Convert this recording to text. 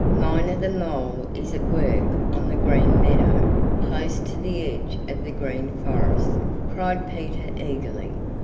Miner the Mole is at work on the Green Meadow; close to the edge of the Green Forest," cried Peter eagerly.